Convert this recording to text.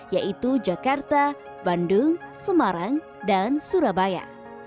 yaitu jakarta bandung semarang dan surabaya